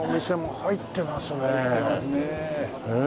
入ってますねえ。